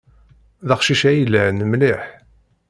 D aqcic ay yelhan mliḥ.